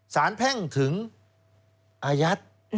สารแพ่งถึงอายัต